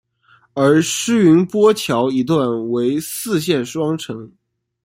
而师云砵桥一段为四线双程。